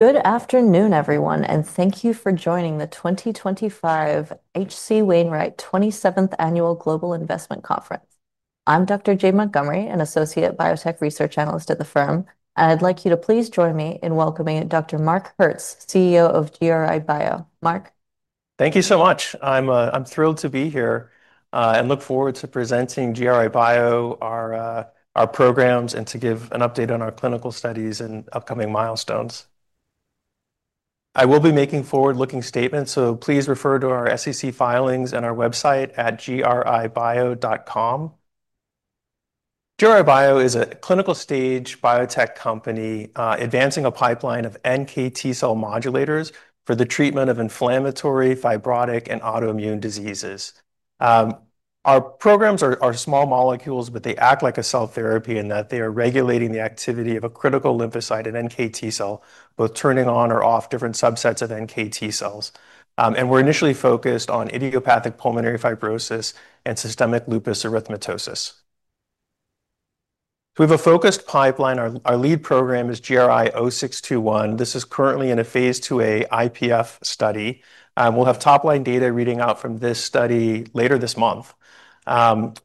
Good afternoon, everyone, and thank you for joining the 2025 HC Wainwright 27th Annual Global Investment Conference. I'm Dr. Jade Montgomery, an Associate Biotech Research Analyst at the firm, and I'd like you to please join me in welcoming Dr. Marc Hertz, CEO of GRI Bio. Marc. Thank you so much. I'm thrilled to be here and look forward to presenting GRI Bio, our programs, and to give an update on our clinical studies and upcoming milestones. I will be making forward-looking statements, so please refer to our SEC filings and our website at gribio.com. GRI Bio is a clinical-stage biotech company advancing a pipeline of NKT cell modulators for the treatment of inflammatory, fibrotic, and autoimmune diseases. Our programs are small molecules, but they act like a cell therapy in that they are regulating the activity of a critical lymphocyte in NKT cell, both turning on or off different subsets of NKT cells. We're initially focused on idiopathic pulmonary fibrosis and systemic lupus erythematosus. We have a focused pipeline. Our lead program is GRI-0621. This is currently in a Phase 2A IPF study. We'll have top-line data reading out from this study later this month.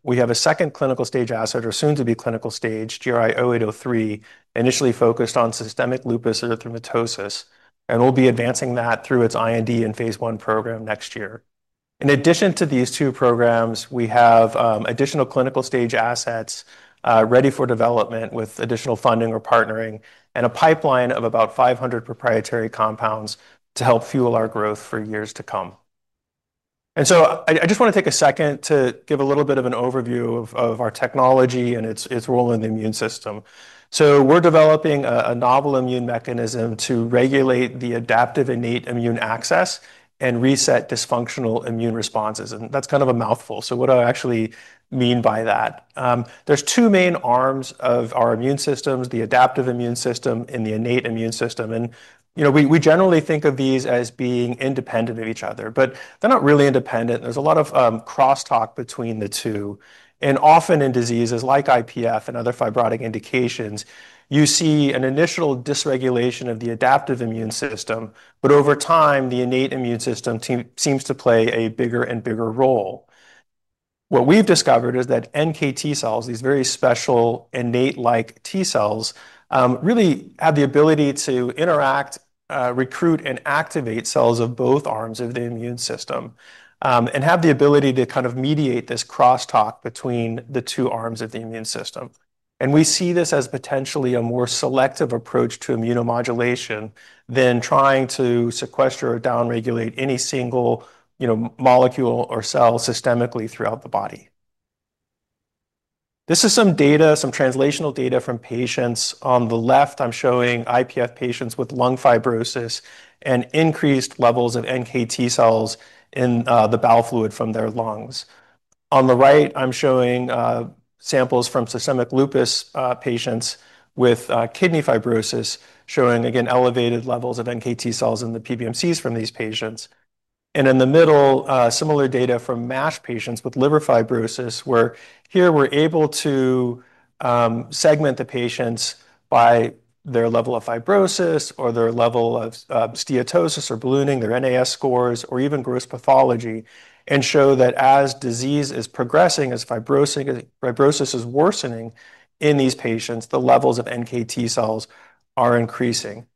We have a second clinical-stage asset, or soon to be clinical-stage, GRI-0803, initially focused on systemic lupus erythematosus, and we'll be advancing that through its IND and Phase 1 program next year. In addition to these two programs, we have additional clinical-stage assets ready for development with additional funding or partnering and a pipeline of about 500 proprietary compounds to help fuel our growth for years to come. I just want to take a second to give a little bit of an overview of our technology and its role in the immune system. We're developing a novel immune mechanism to regulate the adaptive innate immune axis and reset dysfunctional immune responses. That's kind of a mouthful. What do I actually mean by that? There are two main arms of our immune systems: the adaptive immune system and the innate immune system. You know, we generally think of these as being independent of each other, but they're not really independent. There's a lot of crosstalk between the two. Often in diseases like IPF and other fibrotic indications, you see an initial dysregulation of the adaptive immune system, but over time, the innate immune system seems to play a bigger and bigger role. What we've discovered is that NKT cells, these very special innate-like T cells, really have the ability to interact, recruit, and activate cells of both arms of the immune system and have the ability to mediate this crosstalk between the two arms of the immune system. We see this as potentially a more selective approach to immunomodulation than trying to sequester or down-regulate any single, you know, molecule or cell systemically throughout the body. This is some data, some translational data from patients. On the left, I'm showing IPF patients with lung fibrosis and increased levels of NKT cells in the bowel fluid from their lungs. On the right, I'm showing samples from systemic lupus patients with kidney fibrosis, showing again elevated levels of NKT cells in the PBMCs from these patients. In the middle, similar data from MAF patients with liver fibrosis, where here we're able to segment the patients by their level of fibrosis or their level of steatosis or ballooning, their NAS scores, or even gross pathology, and show that as disease is progressing, as fibrosis is worsening in these patients, the levels of NKT cells are increasing.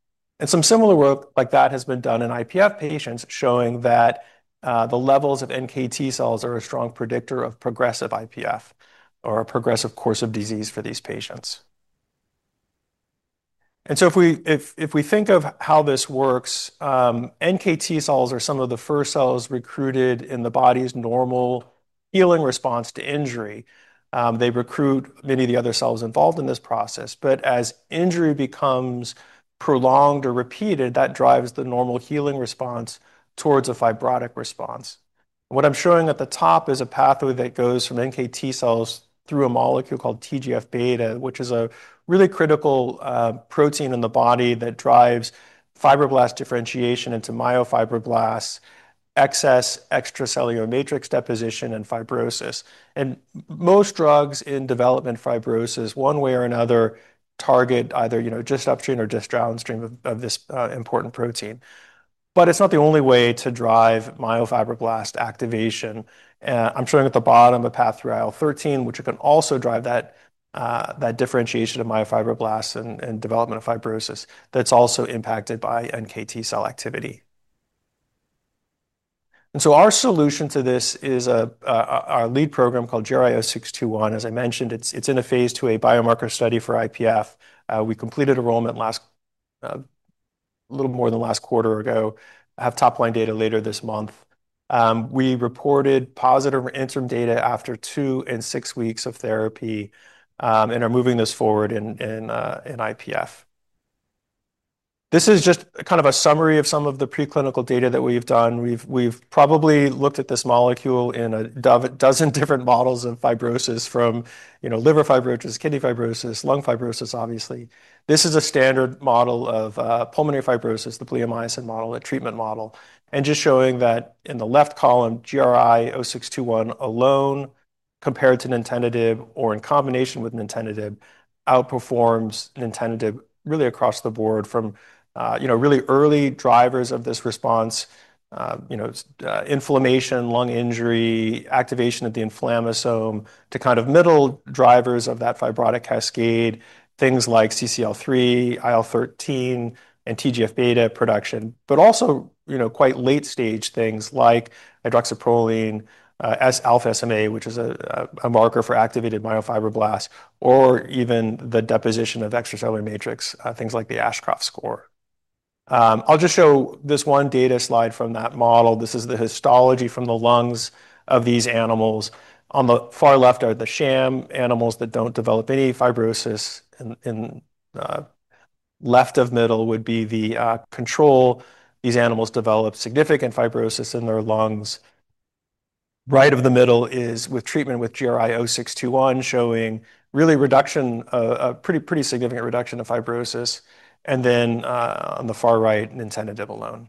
Some similar work like that has been done in IPF patients, showing that the levels of NKT cells are a strong predictor of progressive IPF or a progressive course of disease for these patients. If we think of how this works, NKT cells are some of the first cells recruited in the body's normal healing response to injury. They recruit many of the other cells involved in this process, but as injury becomes prolonged or repeated, that drives the normal healing response towards a fibrotic response. What I'm showing at the top is a pathway that goes from NKT cells through a molecule called TGF beta, which is a really critical protein in the body that drives fibroblast differentiation into myofibroblasts, excess extracellular matrix deposition, and fibrosis. Most drugs in development for fibrosis, one way or another, target either, you know, disruption or dysregulation of this important protein. It's not the only way to drive myofibroblast activation. I'm showing at the bottom a path through IL-13, which can also drive that differentiation of myofibroblasts and development of fibrosis that's also impacted by NKT cell activity. Our solution to this is our lead program called GRI-0621. As I mentioned, it's in a Phase 2A biomarker study for IPF. We completed enrollment a little more than last quarter ago. I have top-line data later this month. We reported positive interim data after two and six weeks of therapy and are moving this forward in IPF. This is just kind of a summary of some of the preclinical data that we've done. We've probably looked at this molecule in a dozen different models of fibrosis from, you know, liver fibrosis, kidney fibrosis, lung fibrosis, obviously. This is a standard model of pulmonary fibrosis, the bleomycin model, a treatment model, and just showing that in the left column, GRI-0621 alone, compared to nintedanib or in combination with nintedanib, outperforms nintedanib really across the board from, you know, really early drivers of this response, you know, inflammation, lung injury, activation of the inflammasome, to kind of middle drivers of that fibrotic cascade, things like CCL3, IL-13, and TGF beta production, but also, you know, quite late stage things like hydroxyproline, S-alpha SMA, which is a marker for activated myofibroblasts, or even the deposition of extracellular matrix, things like the Ashcroft score. I'll just show this one data slide from that model. This is the histology from the lungs of these animals. On the far left are the sham animals that don't develop any fibrosis. Left of middle would be the control. These animals develop significant fibrosis in their lungs. Right of the middle is with treatment with GRI-0621, showing really reduction, a pretty, pretty significant reduction in fibrosis. On the far right, nintedanib alone.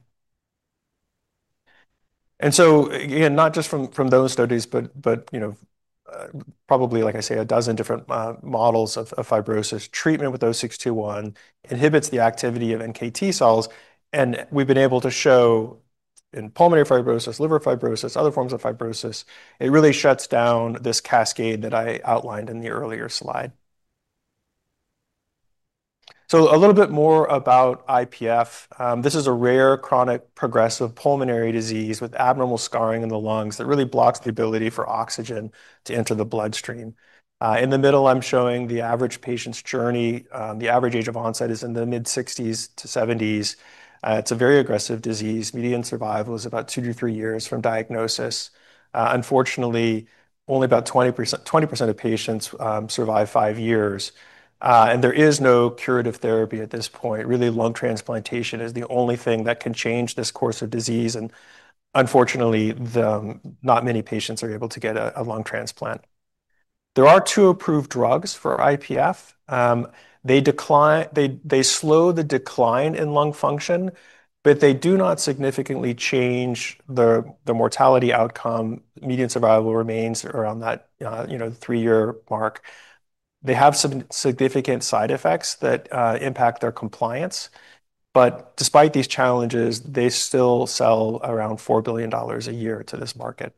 Again, not just from those studies, but, you know, probably, like I say, a dozen different models of fibrosis, treatment with 0621 inhibits the activity of dNKT cells. We've been able to show in pulmonary fibrosis, liver fibrosis, other forms of fibrosis, it really shuts down this cascade that I outlined in the earlier slide. A little bit more about IPF. This is a rare chronic progressive pulmonary disease with abnormal scarring in the lungs that really blocks the ability for oxygen to enter the bloodstream. In the middle, I'm showing the average patient's journey. The average age of onset is in the mid-60s to 70s. It's a very aggressive disease. Median survival is about two to three years from diagnosis. Unfortunately, only about 20% of patients survive five years. There is no curative therapy at this point. Really, lung transplantation is the only thing that can change this course of disease. Unfortunately, not many patients are able to get a lung transplant. There are two approved drugs for IPF. They slow the decline in lung function, but they do not significantly change the mortality outcome. Median survival remains around that, you know, three-year mark. They have some significant side effects that impact their compliance. Despite these challenges, they still sell around $4 billion a year to this market.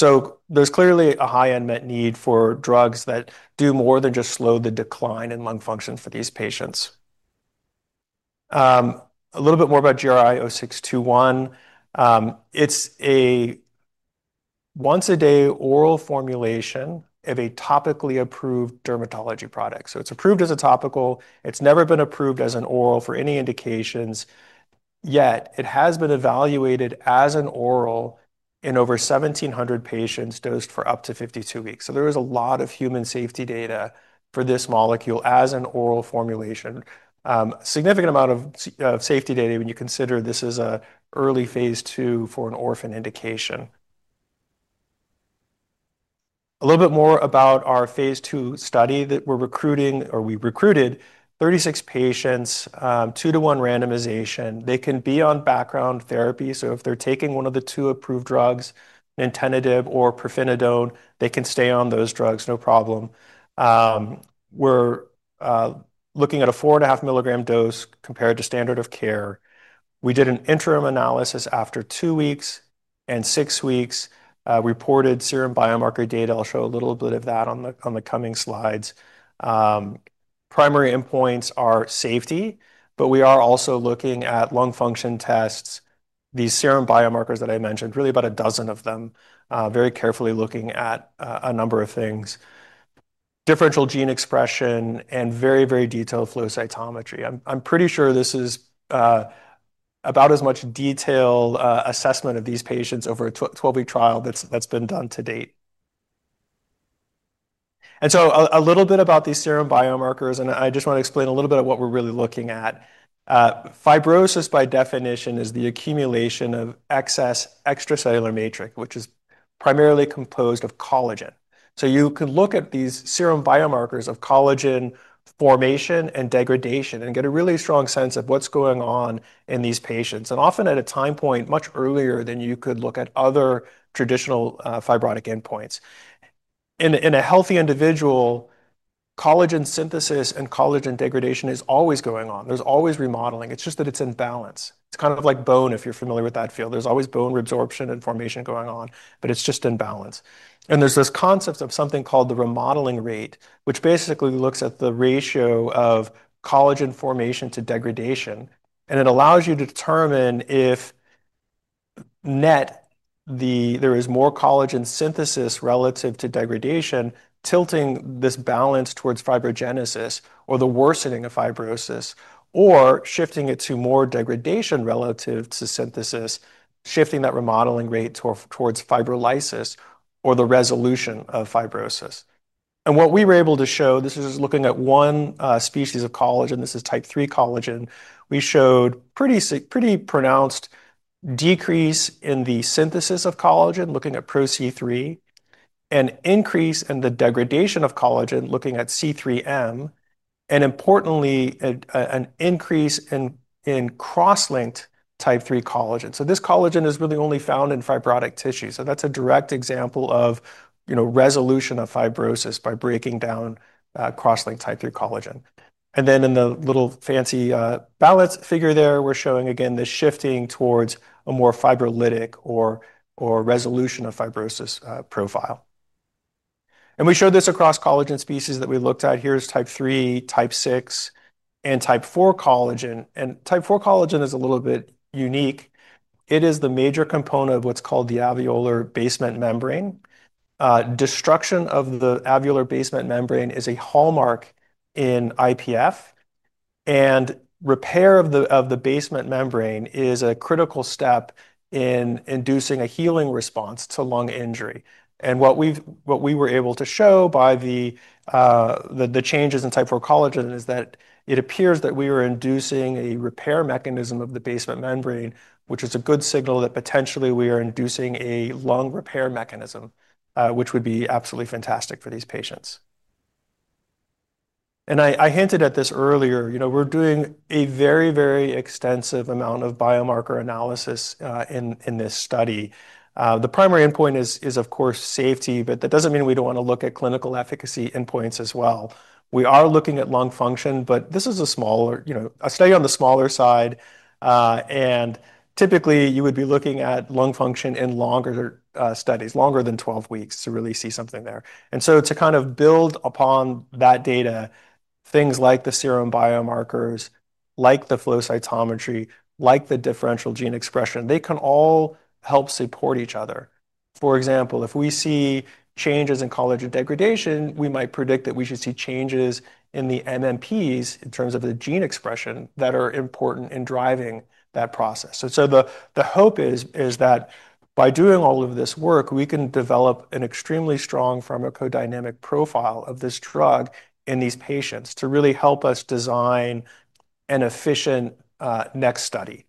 There is clearly a high unmet need for drugs that do more than just slow the decline in lung function for these patients. A little bit more about GRI-0621. It's a once-a-day oral formulation of a topically approved dermatology product. It's approved as a topical. It's never been approved as an oral for any indications. Yet it has been evaluated as an oral in over 1,700 patients dosed for up to 52 weeks. There is a lot of human safety data for this molecule as an oral formulation. A significant amount of safety data when you consider this is an early Phase 2 for an orphan indication. A little bit more about our Phase 2 study that we're recruiting, or we recruited 36 patients, two-to-one randomization. They can be on background therapy. If they're taking one of the two approved drugs, nintedanib or pirfenidone, they can stay on those drugs, no problem. We're looking at a 4.5 milligram dose compared to standard of care. We did an interim analysis after two weeks and six weeks. Reported serum biomarker data. I'll show a little bit of that on the coming slides. Primary endpoints are safety, but we are also looking at lung function tests, these serum biomarkers that I mentioned, really about a dozen of them, very carefully looking at a number of things. Differential gene expression and very, very detailed flow cytometry. I'm pretty sure this is about as much detailed assessment of these patients over a 12-week trial that's been done to date. A little bit about these serum biomarkers, and I just want to explain a little bit of what we're really looking at. Fibrosis, by definition, is the accumulation of excess extracellular matrix, which is primarily composed of collagen. You can look at these serum biomarkers of collagen formation and degradation and get a really strong sense of what's going on in these patients, and often at a time point much earlier than you could look at other traditional fibrotic endpoints. In a healthy individual, collagen synthesis and collagen degradation is always going on. There's always remodeling. It's just that it's in balance. It's kind of like bone, if you're familiar with that field. There's always bone resorption and formation going on, but it's just in balance. There is this concept of something called the remodeling rate, which basically looks at the ratio of collagen formation to degradation. It allows you to determine if net there is more collagen synthesis relative to degradation, tilting this balance towards fibrogenesis or the worsening of fibrosis, or shifting it to more degradation relative to synthesis, shifting that remodeling rate towards fibrolysis or the resolution of fibrosis. What we were able to show, this is looking at one species of collagen. This is type III collagen. We showed a pretty pronounced decrease in the synthesis of collagen, looking at ProC3, an increase in the degradation of collagen, looking at C3M, and importantly, an increase in cross-linked type III collagen. This collagen is really only found in fibrotic tissue. That is a direct example of resolution of fibrosis by breaking down cross-linked type III collagen. In the little fancy balance figure there, we're showing again the shifting towards a more fibrolytic or resolution of fibrosis profile. We showed this across collagen species that we looked at. Here is type III, type VI, and type IV collagen. Type IV collagen is a little bit unique. It is the major component of what's called the alveolar basement membrane. Destruction of the alveolar basement membrane is a hallmark in idiopathic pulmonary fibrosis (IPF). Repair of the basement membrane is a critical step in inducing a healing response to lung injury. What we were able to show by the changes in type IV collagen is that it appears that we were inducing a repair mechanism of the basement membrane, which is a good signal that potentially we are inducing a lung repair mechanism, which would be absolutely fantastic for these patients. I hinted at this earlier. We're doing a very, very extensive amount of biomarker analysis in this study. The primary endpoint is, of course, safety, but that doesn't mean we don't want to look at clinical efficacy endpoints as well. We are looking at lung function, but this is a study on the smaller side. Typically, you would be looking at lung function in longer studies, longer than 12 weeks, to really see something there. To kind of build upon that data, things like the serum biomarkers, like the flow cytometry, like the differential gene expression, they can all help support each other. For example, if we see changes in collagen degradation, we might predict that we should see changes in the NMPs in terms of the gene expression that are important in driving that process. The hope is that by doing all of this work, we can develop an extremely strong pharmacodynamic profile of this drug in these patients to really help us design an efficient next study.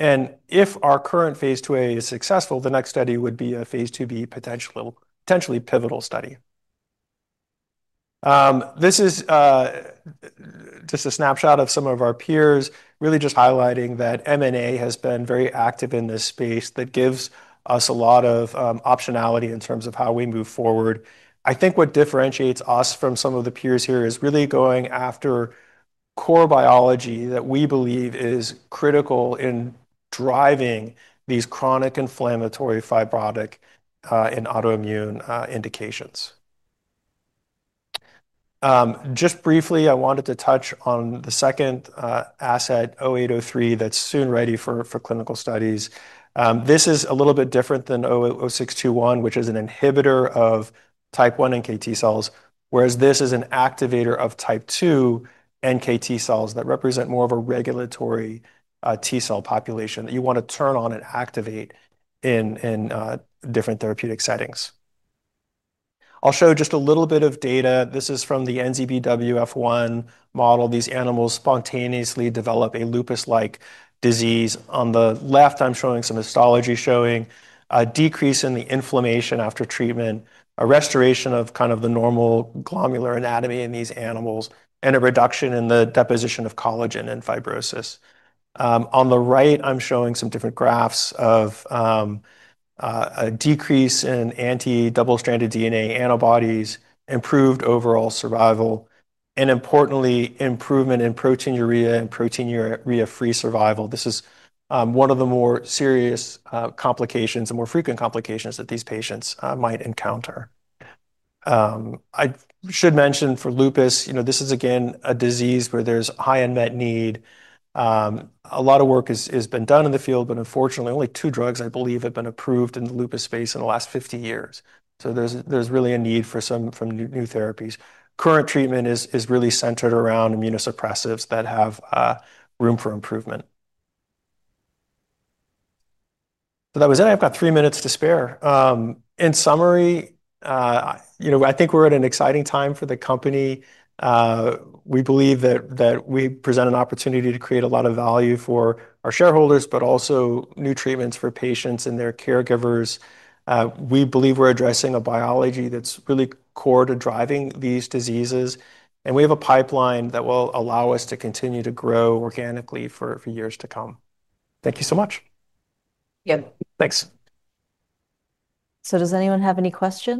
If our current Phase 2A is successful, the next study would be a Phase 2B potentially pivotal study. This is just a snapshot of some of our peers, really just highlighting that M&A has been very active in this space. That gives us a lot of optionality in terms of how we move forward. I think what differentiates us from some of the peers here is really going after core biology that we believe is critical in driving these chronic inflammatory, fibrotic, and autoimmune indications. Just briefly, I wanted to touch on the second asset, GRI-0803, that's soon ready for clinical studies. This is a little bit different than GRI-0621, which is an inhibitor of type 1 NKT cells, whereas this is an activator of type 2 diverse NKT (dNKT) cells that represent more of a regulatory T cell population that you want to turn on and activate in different therapeutic settings. I'll show just a little bit of data. This is from the NZBWF1 model. These animals spontaneously develop a lupus-like disease. On the left, I'm showing some histology showing a decrease in the inflammation after treatment, a restoration of kind of the normal glomerular anatomy in these animals, and a reduction in the deposition of collagen and fibrosis. On the right, I'm showing some different graphs of a decrease in anti-double-stranded DNA antibodies, improved overall survival, and importantly, improvement in proteinuria and proteinuria-free survival. This is one of the more serious complications, the more frequent complications that these patients might encounter. I should mention for lupus, this is again a disease where there's a high unmet need. A lot of work has been done in the field, but unfortunately, only two drugs, I believe, have been approved in the lupus space in the last 50 years. There's really a need for some new therapies. Current treatment is really centered around immunosuppressives that have room for improvement. That was it. I have about three minutes to spare. In summary, I think we're in an exciting time for the company. We believe that we present an opportunity to create a lot of value for our shareholders, but also new treatments for patients and their caregivers. We believe we're addressing a biology that's really core to driving these diseases. We have a pipeline that will allow us to continue to grow organically for years to come. Thank you so much. Yep. Thanks. Does anyone have any questions?